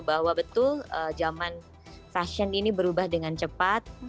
bahwa betul zaman fashion ini berubah dengan cepat